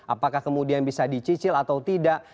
apakah kemudian bisa dicicil atau tidak